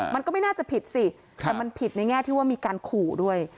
มันก็ไม่น่าจะผิดสิแต่มันผิดในแง่ที่ว่ามีการขู่ด้วย